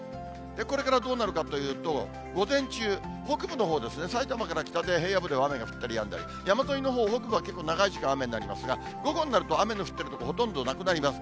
これからどうなるかというと、午前中、北部のほうですね、埼玉から北で、平野部では雨が降ったりやんだり、山沿いのほう、北部は結構長い時間、雨になりますが、午後になると、雨の降ってる所、ほとんどなくなります。